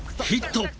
ヒット！